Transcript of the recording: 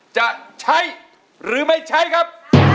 จะใช้หรือไม่ใช้ครับ